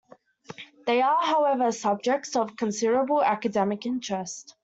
They are, however, subjects of considerable academic interest.